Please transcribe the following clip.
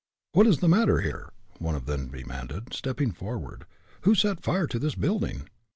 "What is the matter here?" one of them demanded, stepping forward. "Who set fire to this building?"